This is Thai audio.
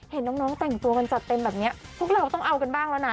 เห็นน้องแต่งตัวกันจัดเต็มแบบนี้พวกเราต้องเอากันบ้างแล้วนะ